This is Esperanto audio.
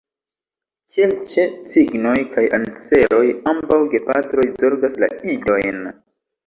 Kiel ĉe cignoj kaj anseroj ambaŭ gepatroj zorgas la idojn.